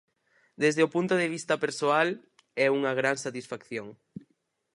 Desde o punto de vista persoal, é unha gran satisfacción.